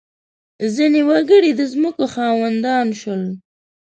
• ځینې وګړي د ځمکو خاوندان شول.